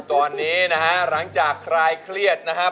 ตอนนี้นะฮะหลังจากคลายเครียดนะครับ